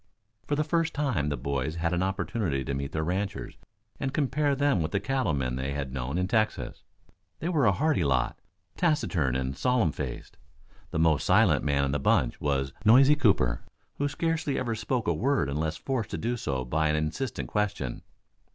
For the first time, the boys had an opportunity to meet the ranchers and compare them with the cattle men they tad known in Texas. They were a hardy lot, taciturn and solemn faced. The most silent man in the bunch, was Noisy Cooper, who scarcely ever spoke a word unless forced to do so by an insistent question.